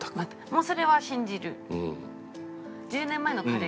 もうそれは信じる。